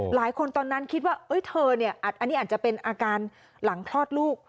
ตอนนั้นคิดว่าเธอเนี่ยอันนี้อาจจะเป็นอาการหลังคลอดลูก